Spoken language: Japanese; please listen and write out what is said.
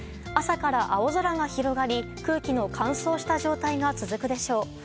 朝から青空が広がり、空気の乾燥した状態が続くでしょう。